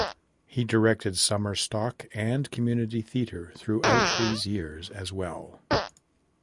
He directed summer stock and community theater throughout these years as well.